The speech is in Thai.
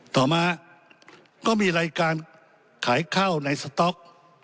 ต่อมาก็มีรายการขายข้าวในสต๊อก